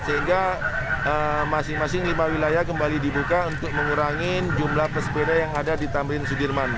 sehingga masing masing lima wilayah kembali dibuka untuk mengurangi jumlah pesepeda yang ada di tamrin sudirman